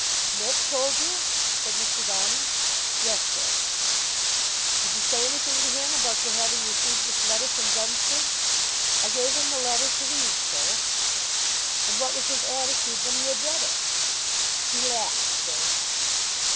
"Smith told you?" said Mr. Downing. "Yes, sir." "Did you say anything to him about your having received this letter from Dunster?" "I gave him the letter to read, sir." "And what was his attitude when he had read it?" "He laughed, sir."